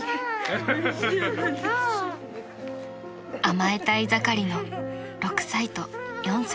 ［甘えたい盛りの６歳と４歳］